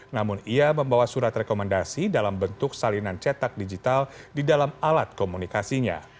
namun ia membawa surat rekomendasi dalam bentuk salinan cetak digital di dalam alat komunikasinya